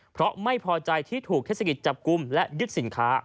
เพราะไม่พอใจที่ถูกเทศกิจจับกลุ่มและยึดสินค้า